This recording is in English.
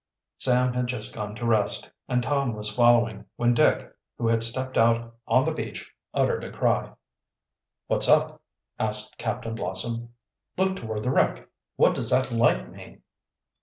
Sam had just gone to rest, and Tom was following, when Dick, who had stepped out on the beach, uttered a cry. "What's up?" asked Captain Blossom. "Look toward the wreck. What does that light mean?"